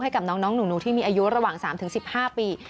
ให้กับน้องหนูที่มีอายุระหว่าง๓๑๕ปี